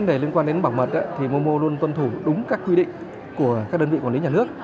đối với vấn đề liên quan đến bảo mật momo luôn tuân thủ đúng các quy định của các đơn vị quản lý nhà nước